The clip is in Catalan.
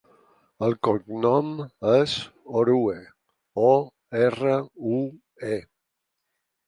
El cognom és Orue: o, erra, u, e.